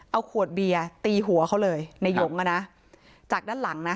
เอาขวดเบียร์ตีหัวเขาเลยในหยงอ่ะนะจากด้านหลังนะ